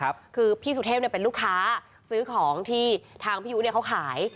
คือพี่สุเทพเนี่ยเป็นลูกค้าซื้อของที่ทางพี่ยุเนี่ยเขาขาย